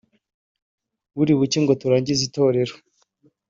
buri buke ngo turangize itorero